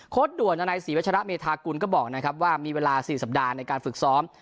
ด่วนในศรีวัชระเมธากุลก็บอกนะครับว่ามีเวลา๔สัปดาห์ในการฝึกซ้อม